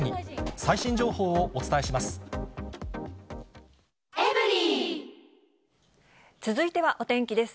最新情報をお伝えします。